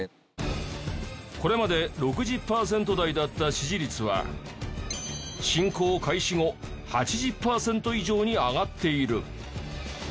これまで６０パーセント台だった支持率は侵攻開始後８０パーセント以上に上がっている。